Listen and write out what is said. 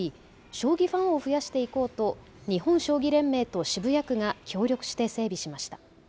将棋ファンを増やしていこうと日本将棋連盟と渋谷区が協力して整備しました。